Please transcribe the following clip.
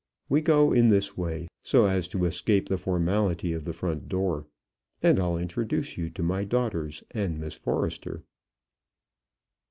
We go in this way, so as to escape the formality of the front door, and I'll introduce you to my daughters and Miss Forrester."